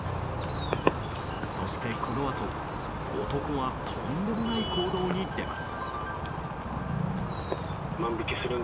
そして、このあと男はとんでもない行動に出ます。